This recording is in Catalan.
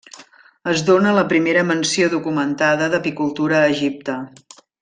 Es dóna la primera menció documentada d'apicultura a Egipte.